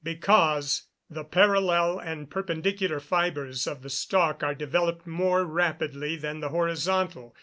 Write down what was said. _ Because the parallel and perpendicular fibres of the stalk are developed more rapidly than the horizontal.